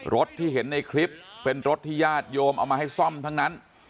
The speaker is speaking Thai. รถที่เห็นในคลิปเป็นรถที่ญาติโยมเอามาให้ซ่อมทั้งนั้น